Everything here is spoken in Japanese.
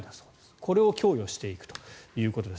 これを供与していくということです。